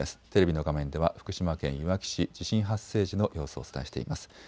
テレビの画面では福島県いわき市、地震発生時の様子をお伝えしています。